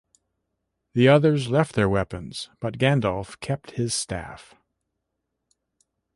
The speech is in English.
The others left their weapons, but Gandalf kept his staff.